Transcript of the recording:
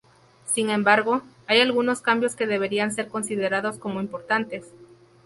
Sin embargo, hay algunos cambios que deberían ser considerados como importantes.